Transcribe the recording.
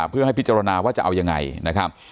เพื่อให้พิจารณาว่าจะเอายังไงนะครับ